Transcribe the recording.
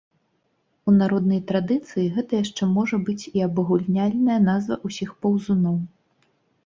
У народнай традыцыі гэта яшчэ можа быць і абагульняльная назва ўсіх паўзуноў.